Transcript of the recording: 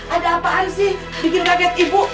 ada apaan sih bikin kaget ibu